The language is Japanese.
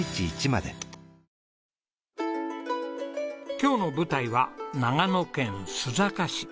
今日の舞台は長野県須坂市。